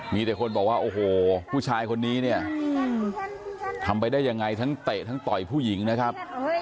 มีแต่คนบอกว่าโอ้โหผู้ชายคนนี้เนี่ยทำไปได้ยังไงทั้งเตะทั้งต่อยผู้หญิงนะครับ